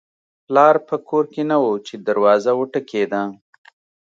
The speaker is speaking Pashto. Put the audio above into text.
پلار په کور کې نه و چې دروازه وټکېده